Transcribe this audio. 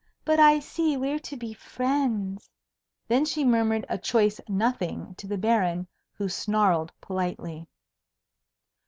"But I see we're to be friends." Then she murmured a choice nothing to the Baron, who snarled politely.